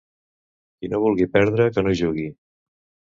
Qui no vulgui perdre que no jugui.